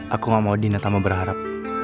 aku gak mau dina tambah berharap